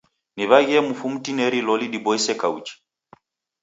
Niw'aghie mufu mtineri loli diboise kauji.